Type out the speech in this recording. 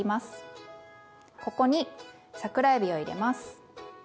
ここに桜えびを入れます。